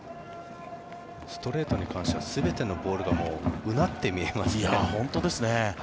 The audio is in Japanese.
ストレートに関しては全てのボールが本当ですね。